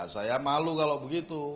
saya malu kalau begitu